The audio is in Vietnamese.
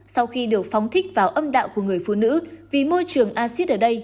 sau khi được phóng thích vào âm đạo của người phụ nữ vì môi trường acid ở đây